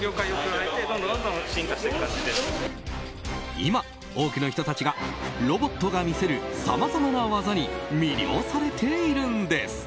今、多くの人たちがロボットが見せるさまざまな技に魅了されているんです。